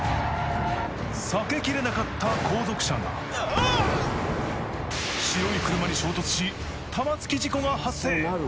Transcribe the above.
避けきれなかった後続車が白い車に衝突しが発生